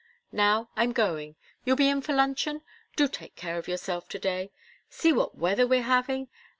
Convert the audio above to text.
Now I'm going. You'll be in for luncheon? Do take care of yourself to day. See what weather we're having!